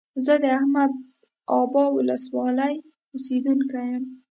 زه د احمد ابا ولسوالۍ اوسيدونکى يم.